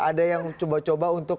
ada yang coba coba untuk